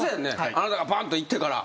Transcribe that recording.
あなたがばーんといってから。